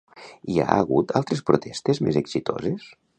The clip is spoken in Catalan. Hi ha hagut altres protestes més exitoses?